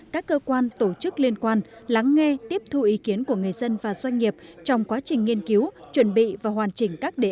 các cơ quan tổ chức liên quan lắng nghe tiếp thu ý kiến của người dân và doanh nghiệp trong quá trình nghiên cứu chuẩn bị và hoàn chỉnh các đề án